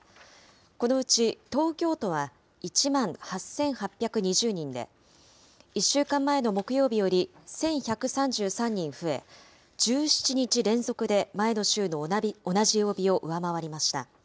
このうち東京都は１万８８２０人で、１週間前の木曜日より１１３３人増え、１７日連続で前の週の同じ曜日を上回りました。